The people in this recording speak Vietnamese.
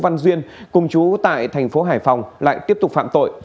văn duyên cùng chú tại thành phố hải phòng lại tiếp tục phạm tội